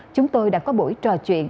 chúng tôi đã có buổi trò chuyện